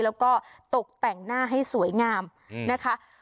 แล้วก็ตกแต่งหน้าให้สวยงามนะคะ